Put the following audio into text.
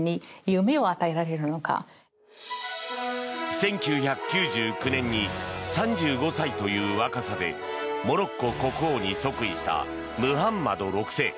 １９９９年に３５歳という若さでモロッコ国王に即位したムハンマド６世。